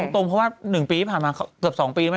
ตรงว่า๑ปีผ่านมานับกด๒ปีละนะ